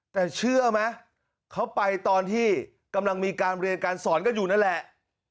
แต่เชื่อไหมเขาไปตอนที่กำลังมีการเรียนการสอนกันอยู่นั่นแหละ